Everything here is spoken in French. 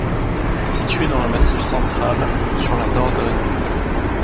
Située dans le Massif central, sur la Dordogne.